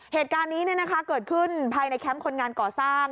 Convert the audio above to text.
เหตุการณ์นี้เกิดขึ้นภายในแคมป์คนงานก่อสร้าง